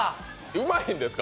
うまいんですか？